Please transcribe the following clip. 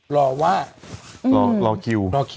รอคิว